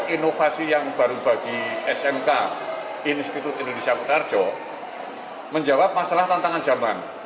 inovasi yang baru bagi smk institut indonesia butarjo menjawab tantangan zaman